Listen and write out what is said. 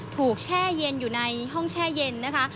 แช่เย็นอยู่ในห้องแช่เย็นนะคะ